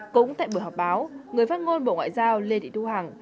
cũng tại buổi họp báo người phát ngôn bộ ngoại giao lê thị thu hằng